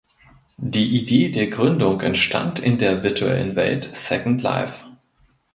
Die Idee der Gründung entstand in der Virtuellen Welt Second Life.